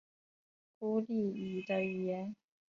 孤立语的语言。